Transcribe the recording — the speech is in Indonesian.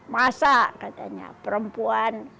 masa katanya perempuan